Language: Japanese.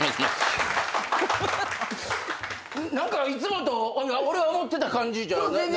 何かいつもと俺が思ってた感じじゃないっすよね。